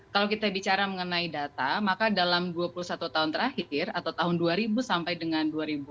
kalau kita bicara mengenai data maka dalam dua puluh satu tahun terakhir atau tahun dua ribu sampai dengan dua ribu dua puluh